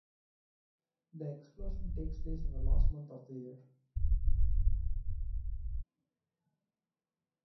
The expulsion takes place on the last month of the year.